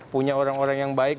punya orang orang yang baik